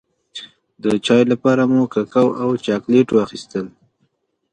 د چای لپاره مو ککو او چاکلېټ واخيستل.